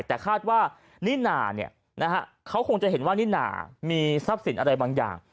แต่คาดว่าลีน่าเขาคงจะเห็นว่าลีน่ามีทรัพย์สินอะไรบางอย่าง